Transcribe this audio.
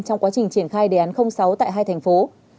trong quá trình triển khai đề án sáu tại hai thành phố